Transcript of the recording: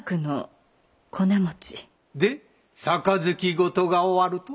で杯事が終わると？